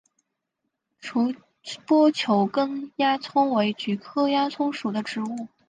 皱波球根鸦葱为菊科鸦葱属的植物。